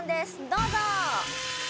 どうぞ！